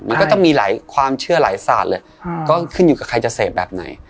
มันก็ต้องมีหลายความเชื่อหลายศาสตร์เลยก็ขึ้นอยู่กับใครจะเสพแบบไหน